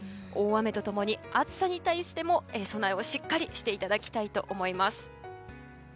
大雨と共に暑さに対しても備えをしっかりしていただきたいと思います。